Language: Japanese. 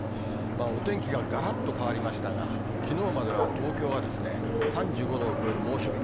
お天気ががらっと変わりましたが、きのうまでは東京が３５度を超える猛暑日。